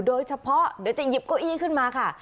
โดยเฉพาะเดี๋ยวจะหยิบเก้าอี้ขึ้นมาค่ะ